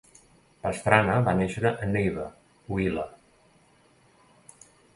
Pastrana va néixer a Neiva, Huila.